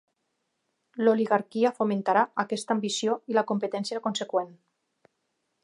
L'oligarquia fomentarà aquesta ambició i la competència conseqüent.